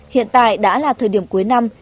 hiện tại đã là thời điểm cuối năm